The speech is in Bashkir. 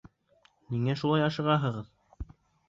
Ниңә шулай ашығаһығыҙ?